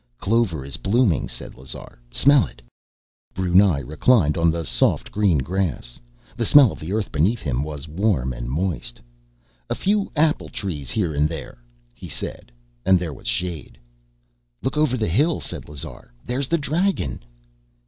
"Clover is blooming," said Lazar. "Smell it." Brunei reclined on the soft green grass. The smell of the earth beneath him was warm and moist. "A few apple trees here and there," he said, and there was shade. "Look over the hill!" said Lazar. "There's the dragon!"